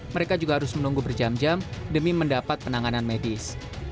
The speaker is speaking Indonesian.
mereka juga harus menunggu berjam jam demi mendapat penanganan medis